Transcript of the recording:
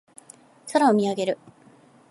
空を見上げる。